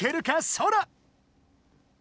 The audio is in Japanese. ソラ！